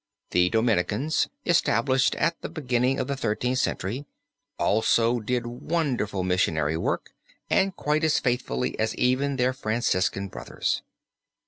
The Dominicans (established at the beginning of the Thirteenth Century) also did wonderful missionary work and quite as faithfully as even their Franciscan brothers.